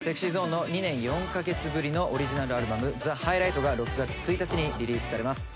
ＳｅｘｙＺｏｎｅの２年４カ月ぶりのオリジナルアルバム『ザ・ハイライト』が６月１日にリリースされます。